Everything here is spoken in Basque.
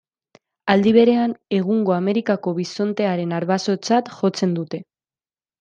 Aldi berean, egungo Amerikako bisontearen arbasotzat jotzen dute.